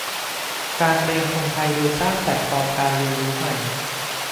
การเตรียมคนไทยโดยสร้างแพลตฟอร์มการเรียนรู้ใหม่